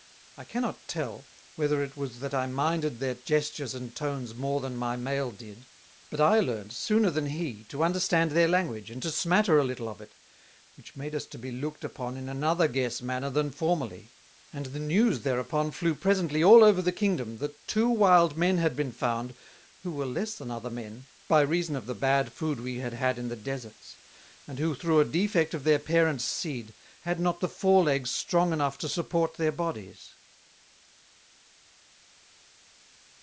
I cannot tell, whether it was that I minded their Gestures and Tones more than my Male did: But I learnt sooner than he to understand their Language, and to smatter a little of it, which made us to be lookt upon in another guess manner than formerly; and the news thereupon flew presently all over the Kingdom, that two Wild Men had been found, who were less than other Men, by reason of the bad Food we had had in the Desarts; and who through a defect of their Parents Seed, had not the fore Legs strong enough to support their Bodies.